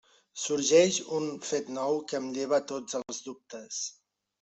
Sorgeix un fet nou que em lleva tots els dubtes.